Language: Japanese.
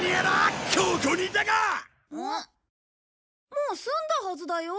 もう済んだはずだよ？